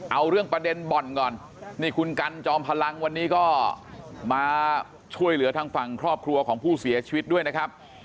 เอาเรื่องประเด็นบ่อนก่อนนี่คุณกันจอมพลังวันนี้ก็มาช่วยเหลือทางฝั่งครอบครัวของผู้เสียชีวิตด้วยนะครับ